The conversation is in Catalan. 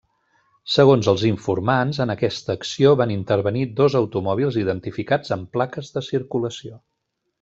Segons els informants, en aquesta acció van intervenir dos automòbils identificats amb plaques de circulació.